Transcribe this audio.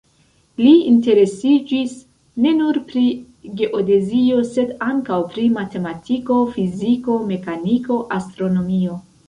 Li interesiĝis ne nur pri geodezio, sed ankaŭ pri matematiko, fiziko, mekaniko, astronomio.